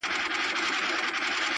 د غـــره ګلونه وي د غـــره ګـــلونه